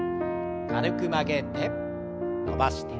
軽く曲げて伸ばして。